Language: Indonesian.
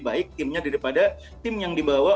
baik timnya daripada tim yang dibawa